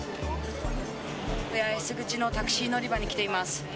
八重洲口のタクシー乗り場に来ています。